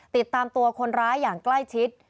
ติดตามตัวคนร้ายอย่างใกล้ชิด